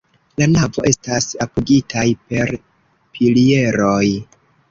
La navo estas apogitaj per pilieroj.